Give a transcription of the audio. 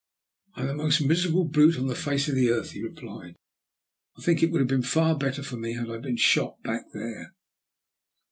"I am the most miserable brute on the face of the earth," he replied. "I think it would have been far better for me had I been shot back there."